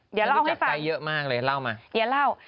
เดี๋ยวเล่าให้ฟังฉันรู้จักไก้เยอะมากเลยเล่ามาเดี๋ยวเล่า